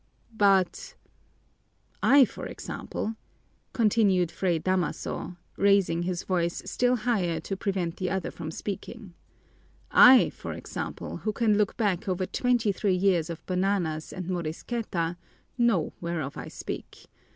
"But " "I, for example," continued Fray Damaso, raising his voice still higher to prevent the other from speaking, "I, for example, who can look back over twenty three years of bananas and morisqueta, know whereof I speak.